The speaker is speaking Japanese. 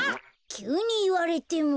きゅうにいわれても。